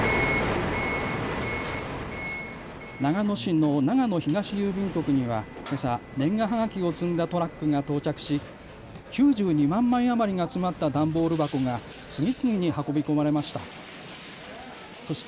長野市の長野東郵便局にはけさ、年賀はがきを積んだトラックが到着し９２万枚余りが詰まった段ボール箱が次々に運び込まれました。